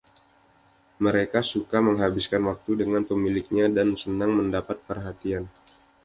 Mereka suka menghabiskan waktu dengan pemiliknya dan senang mendapat perhatian.